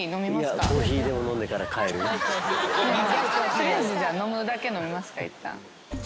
取りあえずじゃあ飲むだけ飲みますかいったん。